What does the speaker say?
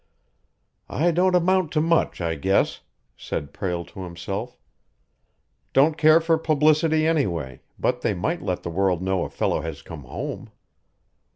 "I don't amount to much, I guess," said Prale to himself. "Don't care for publicity, anyway, but they might let the world know a fellow has come home."